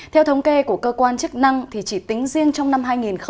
theo thống kê của cơ quan chức năng thì chỉ tính riêng trong năm hai nghìn một mươi chín